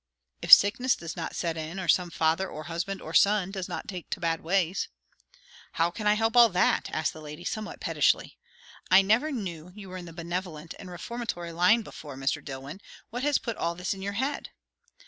"If sickness does not set in, or some father, or husband, or son does not take to bad ways." "How can I help all that?" asked the lady somewhat pettishly. "I never knew you were in the benevolent and reformatory line before, Mr. Dillwyn. What has put all this in your head?"